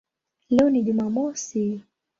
Leo ni Jumamosi".